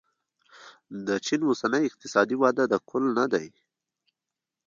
د چین اوسنۍ اقتصادي وده د کل نه دی.